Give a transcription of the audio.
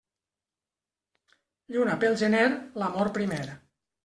Lluna pel gener, l'amor primer.